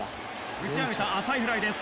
打ち上げた浅いフライです